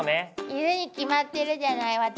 いるに決まってるじゃない私に。